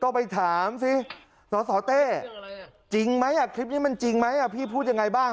พี่เดพี่เดเตยิดมั้ยคลิปนี้อันนี้จริงมั้ยพี่พูดยังไรบ้าง